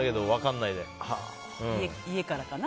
家からかな。